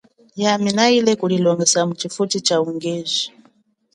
Yami na ile nyi kulilongesa mutshifutshi chaungeji.